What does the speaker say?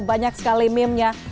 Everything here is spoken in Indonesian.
banyak sekali meme nya